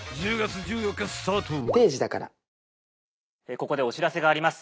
ここでお知らせがあります